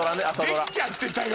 できちゃってたよ